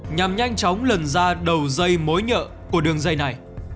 nhằm nhanh chóng lần ra đầu dây mối nhợ của đường dây này